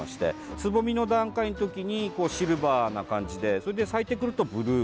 つぼみの段階のときにシルバーな感じで咲いてくるとブルー。